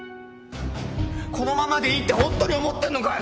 このままでいいってホントに思ってんのかよ？